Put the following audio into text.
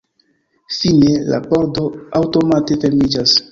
Fine la pordo aŭtomate fermiĝas.